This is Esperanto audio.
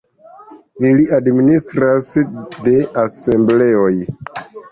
Ili administras de asembleoj.